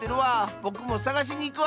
ぼくもさがしにいくわ！